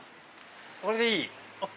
これでいい？ＯＫ？